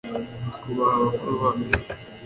twubaha bakuru bacu